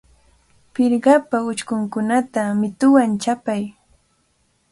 Pirqapa uchkunkunata mituwan chapay.